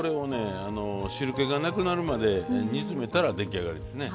汁けがなくなるまで煮詰めたら出来上がりですね。